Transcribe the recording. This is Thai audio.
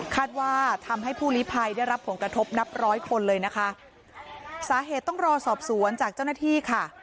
คาดว่าทำให้ผู้ลิภัยได้รับผลกระทบนับร้อยคนเลยนะคะสาเหตุต้องรอสอบสวนจากเจ้าหน้าที่ค่ะ